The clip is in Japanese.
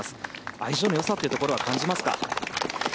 相性のよさというのは感じますか？